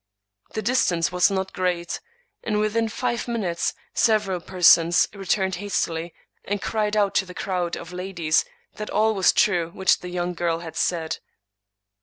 The distance was not great; and within five minutes several persons returned hastily, and cried out to the crowd of ladies that all was true which the young girl had said.